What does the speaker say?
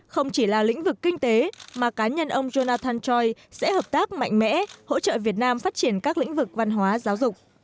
không chỉ là lĩnh vực kinh tế mà cá nhân ông jonathan choi sẽ hợp tác mạnh mẽ hỗ trợ việt nam phát triển các lĩnh vực văn hóa giáo dục